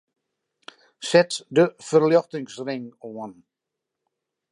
Set de ferljochtingsring oan.